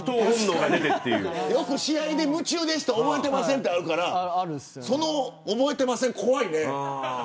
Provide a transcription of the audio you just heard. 試合で夢中で覚えてませんっていうのがよくあるからその覚えてませんは怖いね。